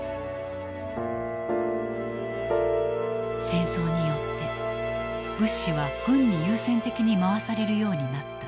戦争によって物資は軍に優先的に回されるようになった。